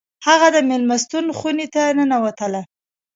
هغه د میلمستون خونې ته ننوتله